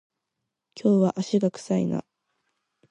今日は足が臭いな